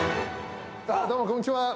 ・どうもこんにちは。